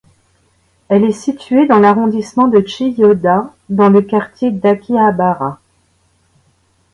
Elle est située dans l'arrondissement de Chiyoda, dans le quartier d'Akihabara.